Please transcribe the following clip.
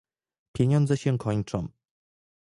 Pieniądze się kończą